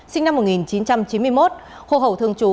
sinh năm một nghìn chín trăm chín mươi một hồ hậu thương chú